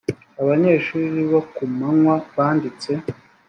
abanyeshuri bo ku manywa banditse